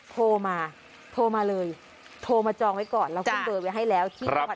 โทรมาโทรมาเลยโทรมาจองไว้ก่อนแล้วสรุปไผ่ให้แล้วครับ